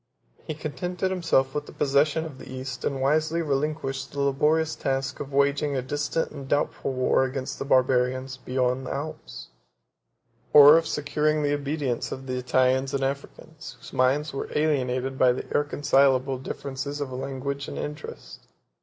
He contented himself with the possession of the East; and wisely relinquished the laborious task of waging a distant and doubtful war against the Barbarians beyond the Alps; or of securing the obedience of the Italians and Africans, whose minds were alienated by the irreconcilable difference of language and interest.